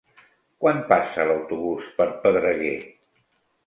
Quan passa l'autobús per Pedreguer?